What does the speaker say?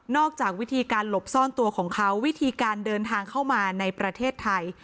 จากวิธีการหลบซ่อนตัวของเขาวิธีการเดินทางเข้ามาในประเทศไทย